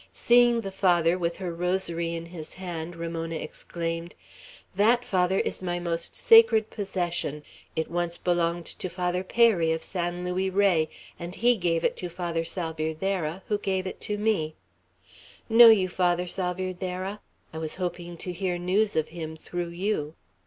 Seeing the Father with her rosary in his hand, Ramona exclaimed: "That, Father, is my most sacred possession. It once belonged to Father Peyri, of San Luis Rey, and he gave it to Father Salvierderra, who gave it to me, Know you Father Salvierderra? I was hoping to hear news of him through you."